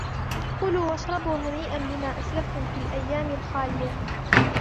كُلُوا وَاشْرَبُوا هَنِيئًا بِمَا أَسْلَفْتُمْ فِي الأَيَّامِ الْخَالِيَةِ